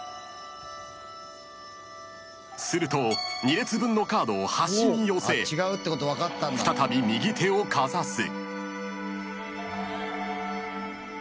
［すると２列分のカードを端に寄せ再び右手をかざす］